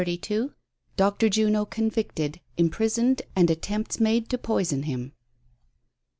DR. JUNO CONVICTED, IMPRISONED AND ATTEMPTS MADE TO POISON HIM.